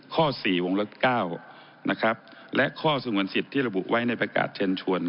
๔วงเล็บ๙นะครับและข้อสงวนสิทธิ์ที่ระบุไว้ในประกาศเชิญชวน